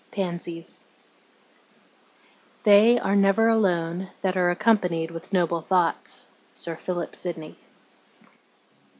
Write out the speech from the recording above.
PANSIES They are never alone that are accompanied with noble thoughts. SIR PHILIP SIDNEY.